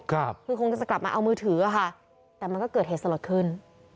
คือคงจะกลับมาเอามือถืออะค่ะแต่มันก็เกิดเหตุสลดขึ้น